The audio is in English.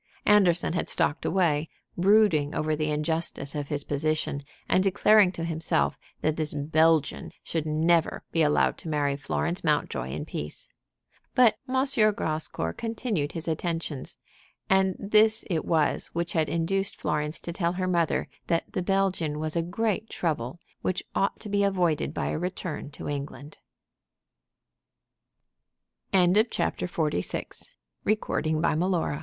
Anderson had stalked away, brooding over the injustice of his position, and declaring to himself that this Belgian should never be allowed to marry Florence Mountjoy in peace. But M. Grascour continued his attentions; and this it was which had induced Florence to tell her mother that the Belgian was "a great trouble," which ought to be avoided by a return to England. CHAPTER XLVII. FLORENCE BIDS FAREWELL TO HER LOVERS. "Mamma, had you n